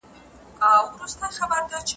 دیني باورونه د مرګ وېره کموي.